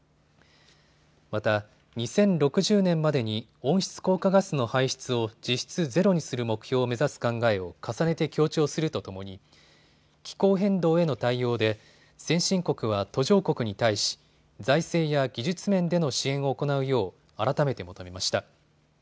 また、２０６０年までに温室効果ガスの排出を実質ゼロにする目標を目指す考えを重ねて強調するとともに気候変動への対応で先進国は途上国に対し財政や技術面での支援を行うよう改めて求めました。